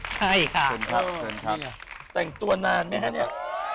แต่งตัวนานไหมครับเนี่ย